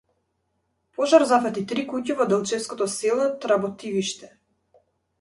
Пожар зафати три куќи во делчевското село Тработивиште